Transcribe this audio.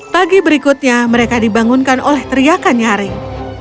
pagi berikutnya mereka dibangunkan oleh teriakan nyaring